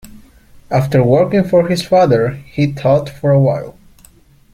After working for his father he taught for a while.